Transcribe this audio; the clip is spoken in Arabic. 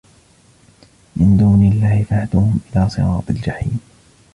من دون الله فاهدوهم إلى صراط الجحيم